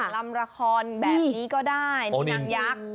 ลำละครแบบนี้ก็ได้นี่นางยักษ์